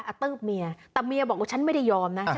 อาตื้บเมียกลับทะเมียบอกว่าชั้นไม่ได้ยอมนะคะ